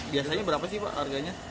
biasanya berapa sih pak harganya